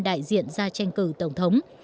đại diện ra tranh cử tổng thống